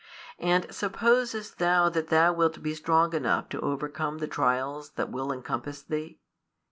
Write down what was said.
and supposest thou that thou wilt be strong enough to overcome the trials that will encompass thee?